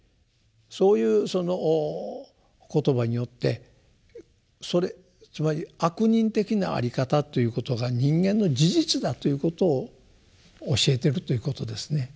そういうその言葉によってそれつまり悪人的なあり方ということが人間の事実だということを教えてるということですね。